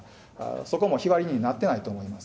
そこも日割りになってないと思います。